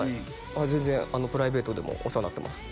全然プライベートでもお世話になってます